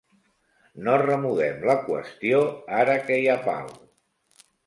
No remoguem la qüestió, ara que hi ha pau.